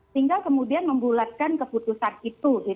tinggal kemudian membulatkan keputusan itu